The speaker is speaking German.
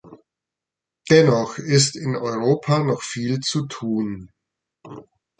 Dennoch ist in Europa noch viel zu tun.